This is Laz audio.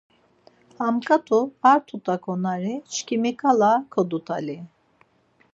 Ha ǩat̆u ar tuta ǩonari çkimiǩala kodut̆ali.